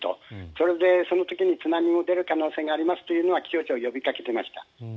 それでその時に津波も出る可能性があるというのは気象庁は呼びかけていました。